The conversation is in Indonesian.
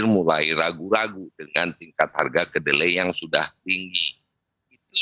mulai ragu ragu dengan tingkat harga kedelai yang sudah tinggi